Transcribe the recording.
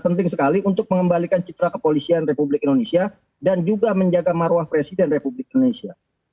penting sekali untuk mengembalikan citra kepolisian republik indonesia dan juga menjaga marwah presiden republik indonesia